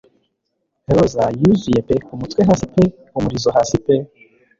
roza-yuzuye pe umutwe hasi pe umurizo hasi pe